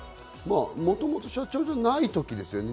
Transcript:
もともと社長じゃない時ですよね。